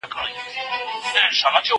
زه پرون زده کړه وکړه،